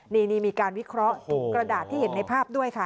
นี่มีการวิเคราะห์กระดาษที่เห็นในภาพด้วยค่ะ